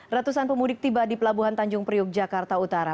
ratusan pemudik tiba di pelabuhan tanjung priuk jakarta utara